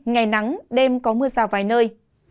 ngày nắng đêm có mưa rào vài nơi